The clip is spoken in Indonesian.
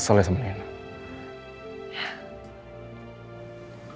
ya maksudnya untuk reyna nanti akan berarti gitu ya